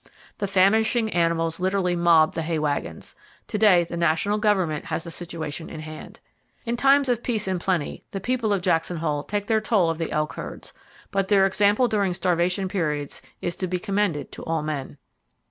The famishing animals literally mobbed the hay wagons. To day the national government has the situation in hand. In times of peace and plenty, the people of Jackson Hole take their toll of the elk herds, but their example during starvation periods is to be commended to all men.